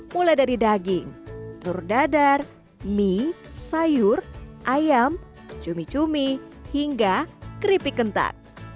mulai dari daging telur dadar mie sayur ayam cumi cumi hingga keripik kentang